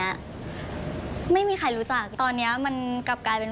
ไม่มีใครรู้จักตอนเนี้ยมันกลับกลายเป็น